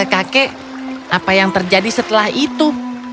kakek apa yang terjadi setelah itu